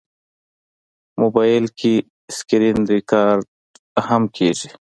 موبایل کې سکرینریکارډ هم کېږي.